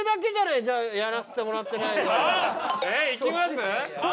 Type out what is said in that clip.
えっいきます？